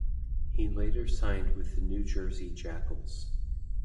He later signed with the New Jersey Jackals.